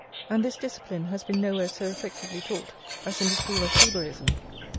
And this discipline has been nowhere so effectively taught as in the school of Hebraism.